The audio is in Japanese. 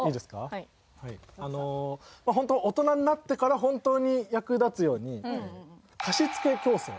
本当大人になってから本当に役立つように貸し付け競争。